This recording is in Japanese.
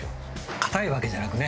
硬いわけじゃなくね